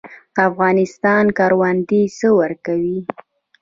د افغانستان کروندې څه ورکوي؟